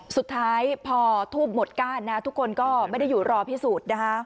สุดท้ายพอทูบหมดก้านนะทุกคนก็ไม่ได้อยู่รอพิสูจน์นะคะ